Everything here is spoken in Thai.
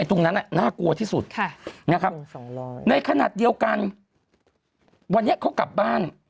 ของไทยมีอยู่เนี่ยค่ะ